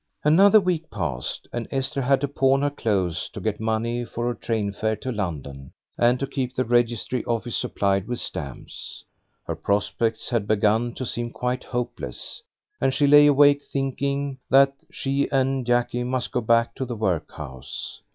Another week passed and Esther had to pawn her clothes to get money for her train fare to London, and to keep the registry office supplied with stamps. Her prospects had begun to seem quite hopeless, and she lay awake thinking that she and Jackie must go back to the workhouse.